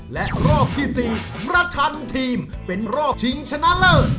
และรอบที่๔ประชันทีมเป็นรอบชิงชนะเลิศ